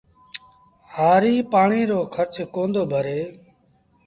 هآريٚ پآڻي رو کرچ ڪوندو ڀري